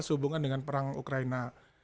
sehubungan dengan perang ukraina